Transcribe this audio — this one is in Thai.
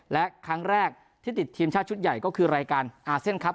และครั้งแรกที่ติดทีมชาติชุดใหญ่ก็คือรายการอาเซียนครับ